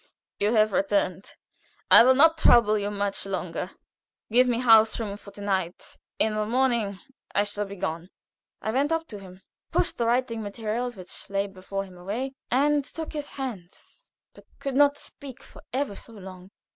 you have returned? I will not trouble you much longer. Give me house room for to night. In the morning I shall be gone." I went up to him, pushed the writing materials which lay before him away, and took his hands, but could not speak for ever so long.